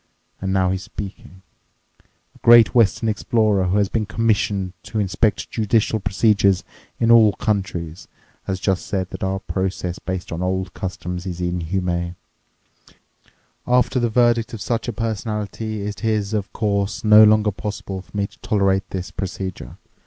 And now he's speaking: 'A great Western explorer who has been commissioned to inspect judicial procedures in all countries has just said that our process based on old customs is inhuman. After the verdict of such a personality it is, of course, no longer possible for me to tolerate this procedure.